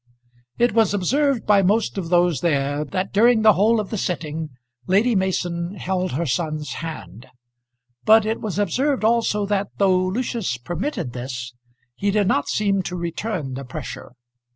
It was observed by most of those there that during the whole of the sitting Lady Mason held her son's hand; but it was observed also that though Lucius permitted this he did not seem to return the pressure.